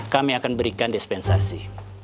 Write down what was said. kami akan berikan dispensasi